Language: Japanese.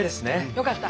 よかった。